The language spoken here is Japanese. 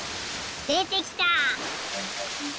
でてきた！